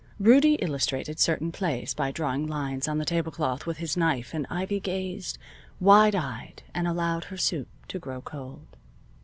Rudie illustrated certain plays by drawing lines on the table cloth with his knife and Ivy gazed, wide eyed, and allowed her soup to grow cold.